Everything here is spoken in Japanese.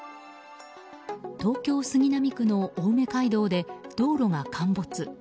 東京・杉並区の青梅街道で道路が陥没。